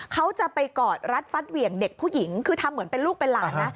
เขาจะไปกอดรัดฟัดเหวี่ยงเด็กผู้หญิงคือทำเหมือนเป็นลูกเป็นหลานนะ